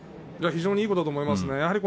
非常にいいと思いますね。